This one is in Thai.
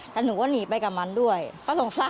แต่หนูก็หนีไปกับมันด้วยก็สงสาร